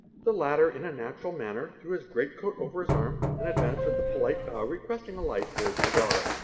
The latter, in a natural manner, hrew his great coat over his arm, and advancing with a polite bow jues' ed a light for his cigar.